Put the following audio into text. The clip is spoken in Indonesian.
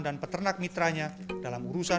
dan peternak mitranya dalam urusan